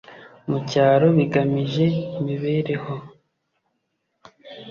mu cyaro bigamije imibereho